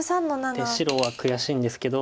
で白は悔しいんですけど。